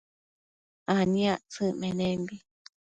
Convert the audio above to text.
aniactsëc menembi